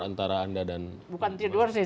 antara anda dan bukan twitwar sih